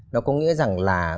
nó có nghĩa rằng là